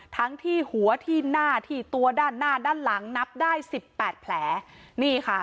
ทั้งที่หัวที่หน้าที่ตัวด้านหน้าด้านหลังนับได้สิบแปดแผลนี่ค่ะ